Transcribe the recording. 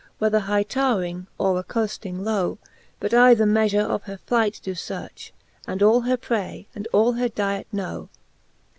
Whether high towring, or accoafting low, But I the meafure of her flight doe fearch. And all her pray, and all her diet know.